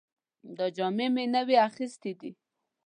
دا جامې مې نوې اخیستې دي